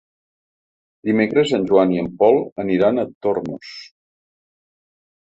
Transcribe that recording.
Dimecres en Joan i en Pol aniran a Tormos.